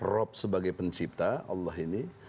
rob sebagai pencipta allah ini